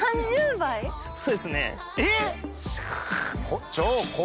まぁそうですね。